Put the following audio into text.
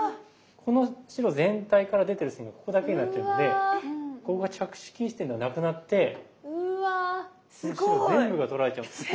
この白全体から出てる線がここだけになっちゃうのでここが着手禁止点ではなくなってこの白全部が取られちゃうんですよ。